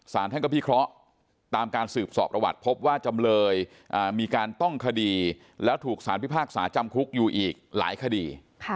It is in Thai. สารท่านก็พิเคราะห์ตามการสืบสอบประวัติพบว่าจำเลยมีการต้องคดีแล้วถูกสารพิพากษาจำคุกอยู่อีกหลายคดี